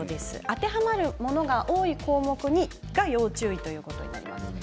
当てはまるものが多い項目が要注意ということになります。